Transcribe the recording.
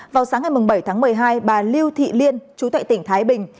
vào sáng ngày bảy tháng một mươi hai bà lưu thị liên chú tệ tỉnh thái bình